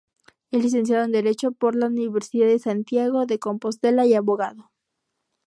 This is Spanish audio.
Es Licenciado en Derecho por la Universidad de Santiago de Compostela y abogado.